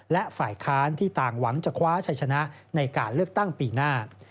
และฝ่ายค้านที่ต่างหวังจะคว้าชัยชนะในการเลือกตั้งปีหน้า